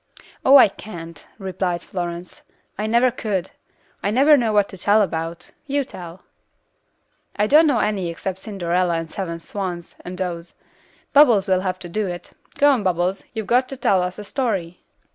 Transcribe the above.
"Oh, I can't," replied Florence. "I never could. I never know what to tell about. You tell." "I don't know any except Cinderella and the Seven Swans, and those. Bubbles will have to do it. Go on Bubbles, you've got to tell us a story."